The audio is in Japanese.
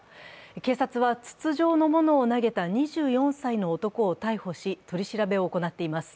警察は筒状のものを投げた２４歳の男を逮捕し、取り調べを行っています。